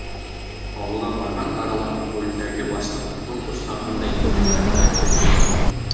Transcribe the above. Ауылға барған арала рулдәге башлыҡ конкурс хаҡында ентекләберәк һөйләй: